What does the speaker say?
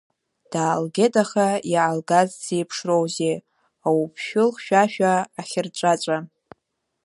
Даалгеит, аха иаалгаз дзеиԥшроузеи, ауԥшәыл хьшәашәа, ахьырҵәаҵәа.